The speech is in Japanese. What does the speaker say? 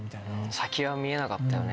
先は見えなかったよね